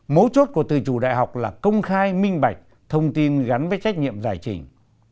mấu chốt của từ chủ đại học là công khai minh bạch thông tin gắn với trách nhiệm giải trình